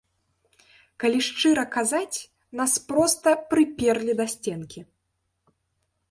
Калі шчыра казаць, нас проста прыперлі да сценкі.